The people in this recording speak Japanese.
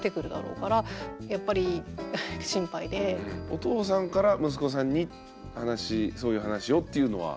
お父さんから息子さんに話そういう話をっていうのは？